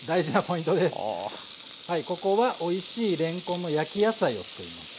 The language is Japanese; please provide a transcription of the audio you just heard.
ここはおいしいれんこんの焼き野菜を作ります。